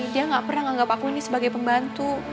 dia gak pernah menganggap aku ini sebagai pembantu